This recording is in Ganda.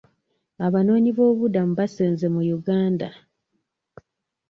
Abanoonyiboobubudamu baasenze mu Uganda.